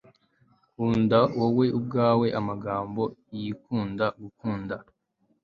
kunda wowe ubwawe amagambo yikunda-gukunda